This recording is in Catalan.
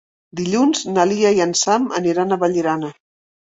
Dilluns na Lia i en Sam aniran a Vallirana.